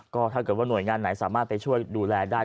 ก็ถ้าเกิดว่าหน่วยงานไหนสามารถไปช่วยดูแลได้